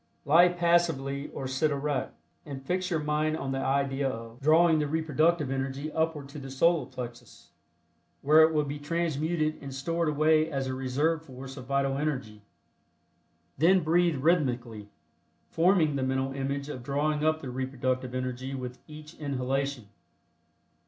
Lie passively or sit erect, and fix your mind on the idea of drawing the reproductive energy upward to the Solar Plexus, where it will be transmuted and stored away as a reserve force of vital energy. Then breathe rhythmically, forming the mental image of drawing up the reproductive energy with each inhalation.